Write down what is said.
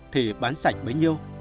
thì bán sạch bấy nhiêu